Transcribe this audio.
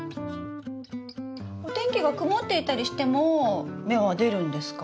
お天気が曇っていたりしても芽は出るんですか？